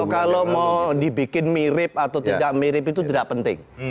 kalau mau dibikin mirip atau tidak mirip itu tidak penting